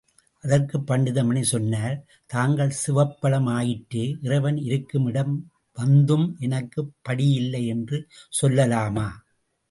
அதற்குப் பண்டிதமணி சொன்னார் தாங்கள் சிவப்பழம் ஆயிற்றே, இறைவன் இருக்கும் இடம் வந்தும், எனக்குப் படியில்லை என்று சொல்லலாமா?